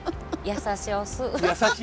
優しおす？